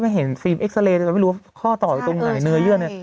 คือไม่เห็นฟีมเอ็กซาเลแต่ไม่รู้ว่าข้อต่อไปตรงไหนเนื้อเยื่อนไง